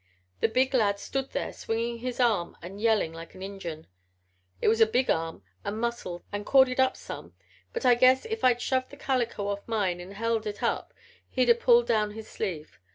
The big lad stood there swinging his arm and yelling like an Injun. It was a big arm and muscled and corded up some but I guess if I'd shoved the calico off mine and held it up he'd a pulled down his sleeve.